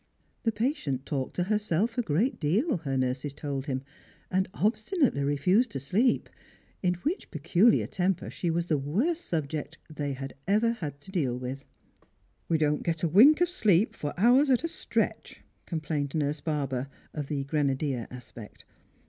The patient talked to herself a great deal, her nurses told him, and ob Etinately refused to sleep, in which peculiar temj^er she was the worst subject they had ever had to deal with. " "We don't get wink of sleep for hours at a stretch," com plained nurse Barber, of the grenadier aspect.